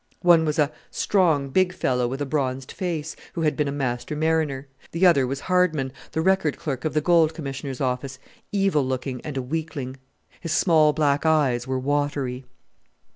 One was a strong big fellow with a bronzed face, who had been a master mariner. The other was Hardman, the record clerk of the Gold Commissioner's office, evil looking and a weakling. His small black eyes were watery.